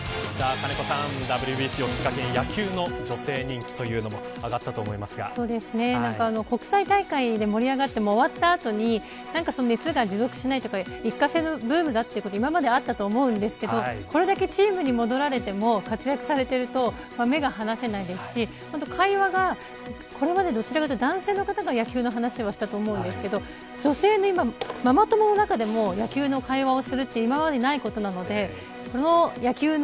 金子さんＷＢＣをきっかけに野球の女性人気というのも国際大会で盛り上がっても終わった後に熱が持続しないとか一過性のブームだということが今まであったと思いますがこれだけチームに戻られても活躍されてると目が離せないですし会話がこれまでどちらかというと男性が野球の話をしていたと思いますが女性の、今、ママ友の中でも野球の会話するというのは今まで、なかったです。